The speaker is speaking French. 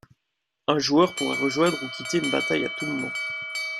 Un joueur pourra rejoindre ou quitter une bataille à tout moment.